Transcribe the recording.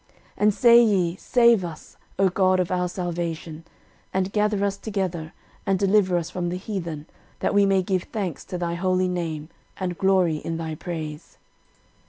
13:016:035 And say ye, Save us, O God of our salvation, and gather us together, and deliver us from the heathen, that we may give thanks to thy holy name, and glory in thy praise.